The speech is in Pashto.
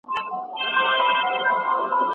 صبر او زغم په علم کي مهم دي.